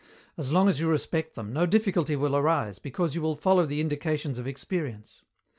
As long as you respect them, no difficulty will arise, because you will follow the indications of experience.